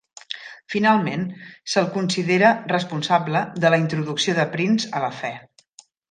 Finalment, se'l considera responsable de la introducció de Prince a la fe.